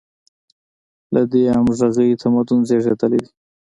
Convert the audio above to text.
له دې همغږۍ تمدن زېږېدلی دی.